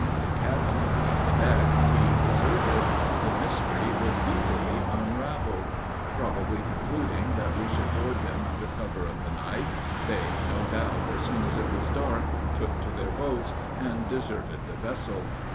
The cabin, like the deck, being deserted, the mystery was easily unraveled. Probably concluding that we should board them under cover of the night, they, no doubt, as soon as it was dark, took to their boats, and deserted the vessel.